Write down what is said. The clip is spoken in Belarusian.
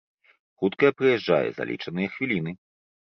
Хуткая прыязджае за лічаныя хвіліны.